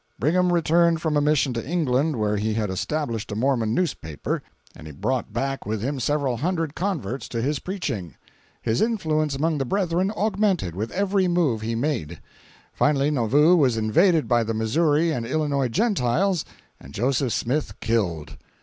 Brigham returned from a mission to England, where he had established a Mormon newspaper, and he brought back with him several hundred converts to his preaching. His influence among the brethren augmented with every move he made. Finally Nauvoo was invaded by the Missouri and Illinois Gentiles, and Joseph Smith killed.